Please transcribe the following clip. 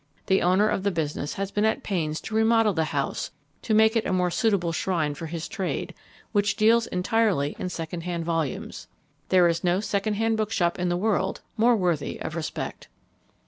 The owner of the business has been at pains to remodel the house to make it a more suitable shrine for his trade, which deals entirely in second hand volumes. There is no second hand bookshop in the world more worthy of respect.